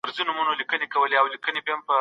زه په کار کولو بوخت یم.